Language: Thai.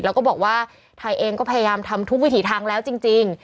แล้วก็บอกว่าไทยเองก็พยายามทำทุกวิถีทางแล้วจริง